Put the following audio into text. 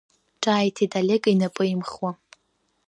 Ҿааиҭит, Олег инапы имхуа.